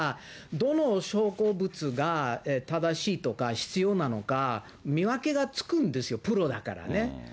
どの証拠物が正しいとか、必要なのか、見分けがつくんですよ、プロだからね。